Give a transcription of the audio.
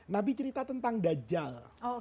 nabi cerita tentang dajjal